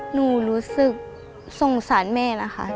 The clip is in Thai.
รู้สึกสงสารแม่นะคะ